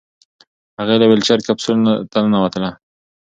هغې له ویلچیر کپسول ته ننوتله.